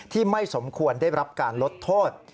ไม่สมควรได้รับการลดโทษ